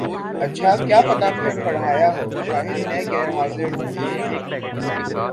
اچھا کیا پتا پھر پڑھایا ہو شاید میں غیر حاضر ہوں اس میں